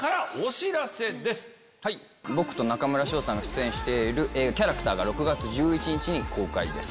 僕と中村獅童さんが出演している映画『キャラクター』が６月１１日に公開です。